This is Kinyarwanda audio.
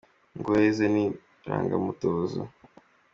Ingohe ze ni irangamutuzo